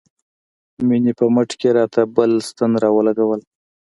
مينې په مټ کښې راته بله ستن راولګوله.